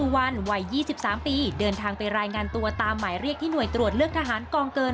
วันวัย๒๓ปีเดินทางไปรายงานตัวตามหมายเรียกที่หน่วยตรวจเลือกทหารกองเกิน